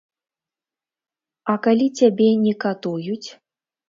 А калі цябе не катуюць?